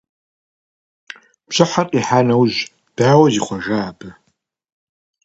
Бжьыхьэр къихьа нэужь, дауэ зихъуэжа абы?